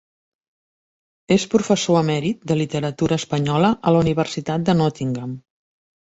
És professor emèrit de literatura espanyola a la Universitat de Nottingham.